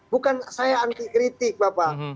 bukan saya anti kritik bapak